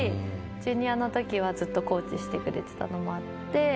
ジュニアの時はずっとコーチしてくれてたのもあって。